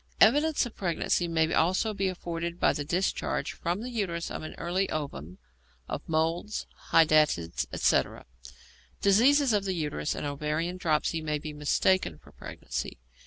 Evidence of pregnancy may also be afforded by the discharge from the uterus of an early ovum, of moles, hydatids, etc. Disease of the uterus and ovarian dropsy may be mistaken for pregnancy.